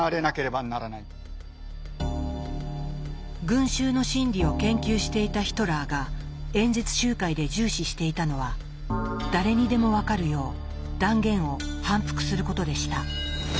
群衆の心理を研究していたヒトラーが演説集会で重視していたのは誰にでも分かるよう断言を反復することでした。